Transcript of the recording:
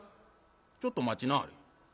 ちょっと待ちなはれ。